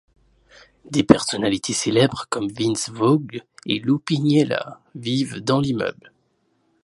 Des personnalités célèbres comme Vince Vaughn et Lou Piniella vivent dans l'immeuble.